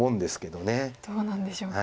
どうなんでしょうか。